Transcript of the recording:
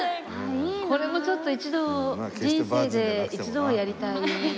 これもちょっと一度人生で一度はやりたい。